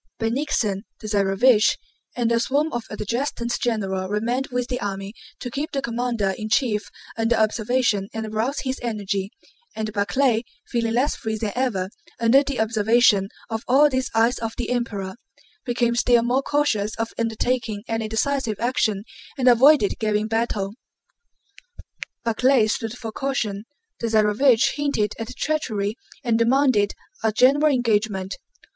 Bennigsen, the Tsarévich, and a swarm of adjutants general remained with the army to keep the commander in chief under observation and arouse his energy, and Barclay, feeling less free than ever under the observation of all these "eyes of the Emperor," became still more cautious of undertaking any decisive action and avoided giving battle. Barclay stood for caution. The Tsarévich hinted at treachery and demanded a general engagement.